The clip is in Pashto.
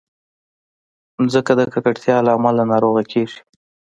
مځکه د ککړتیا له امله ناروغه کېږي.